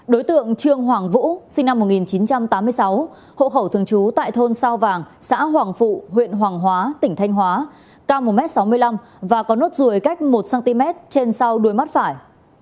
đối tượng trương hoàng vũ sinh năm một nghìn chín trăm tám mươi sáu hộ khẩu thường trú tại thôn sao vàng xã hoàng phụ huyện hoàng hóa tỉnh thanh hóa cao một m sáu mươi năm và có nốt ruồi cách một cm trên sau đuôi mắt phải